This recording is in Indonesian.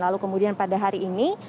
lalu kemudian pada hari ini